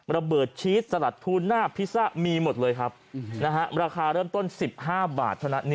ระเบิดชีสสลัดทูน่าพิซซ่ามีหมดเลยครับราคาเริ่มต้น๑๕บาทเท่านั้น